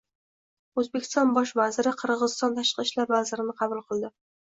O‘zbekiston Bosh vaziri Qirg‘iziston tashqi ishlar vazirini qabul qildi